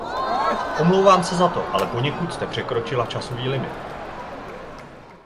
Omlouvám se za to, ale poněkud jste překročila časový limit.